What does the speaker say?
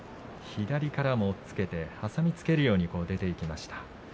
左からも押っつけて挟み込むように出ていきました。